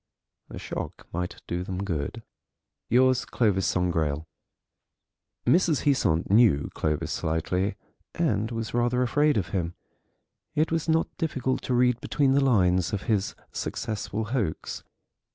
The shock might do them good. "Yours, "CLOVIS SANGRAIL." Mrs. Heasant knew Clovis slightly, and was rather afraid of him. It was not difficult to read between the lines of his successful hoax.